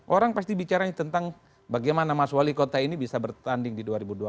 orang pasti bicara tentang bagaimana mas wali kota ini bisa bertanding di dua ribu dua puluh empat